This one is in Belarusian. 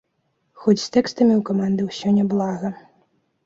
Хоць з тэкстамі ў каманды ўсё няблага.